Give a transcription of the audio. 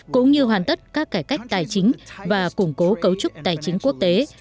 cũng như hoàn tất các cải cách tài chính và củng cố cấu trúc tài chính quốc tế